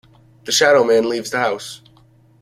The shadow man leaves the house.